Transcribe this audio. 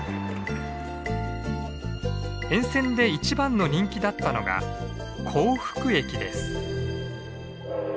沿線で一番の人気だったのが幸福駅です。